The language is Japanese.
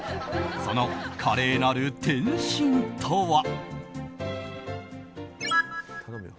その華麗なる転身とは。